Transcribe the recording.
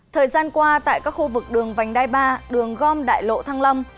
thời gian qua tại các khu vực đường vành đai ba đường gom đại lộ thăng lâm